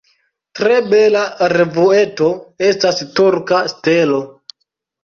Tre bela revueto estas Turka Stelo.